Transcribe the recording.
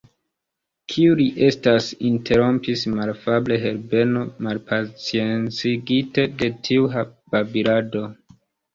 Kiu li estas? interrompis malafable Herbeno, malpaciencigite de tiu babilado.